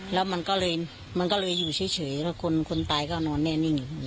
แล้วมันก็เลยมันก็เลยอยู่เฉยเฉยแล้วคนคนตายก็นอนแน่นิ่งอยู่